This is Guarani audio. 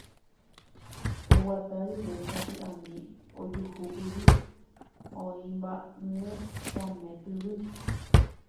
oguata rire sapy'ami ojuhúkuri oimo'ã'ỹre Kame tyvy.